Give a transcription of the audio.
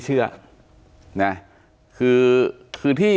เชื่อนะคือที่